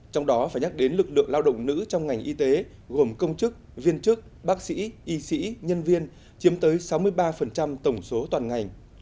trong đó phải nhắc đến lực lượng lao động nữ trong ngành y tế gồm công chức viên chức bác sĩ y sĩ nhân viên chiếm tới sáu mươi ba tổng số toàn ngành